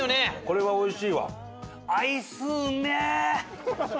これはおいしいわ。